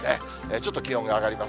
ちょっと気温が上がります。